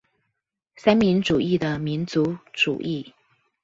三民主義的民族主義